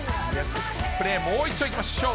プレー、もういっちょいきましょう。